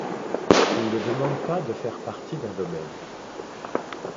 Ils ne demandent pas de faire partie d’un domaine.